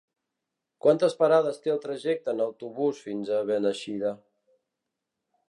Quantes parades té el trajecte en autobús fins a Beneixida?